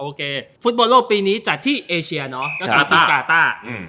ฟุตบอลโลกปีนี้จัดที่เอเชียเนอะก็คือที่กาต้า